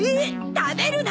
食べるな！